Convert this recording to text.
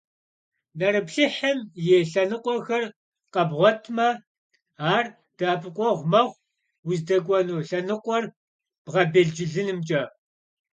Nerıplhıhım yi lhenıkhuexer khebğuetıfme, ar de'epıkhueğu mexhu vuzdek'uenu lhenıkhuer bğebêlcılınımç'e.